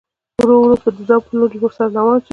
ورو په ورو د دام پر لوري ور روان سو